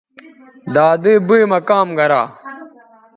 دادئ بئ مہ کام گرا